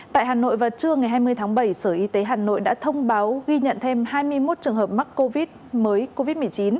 tại hà nội vào trưa ngày hai mươi tháng bảy sở y tế hà nội đã thông báo ghi nhận thêm hai mươi một trường hợp mắc covid mới covid một mươi chín